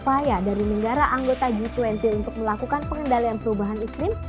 upaya dari negara anggota g dua puluh untuk melakukan pengendalian perubahan iklim